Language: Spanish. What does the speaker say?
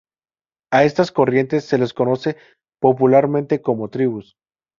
A estas corrientes se les conoce popularmente como "tribus".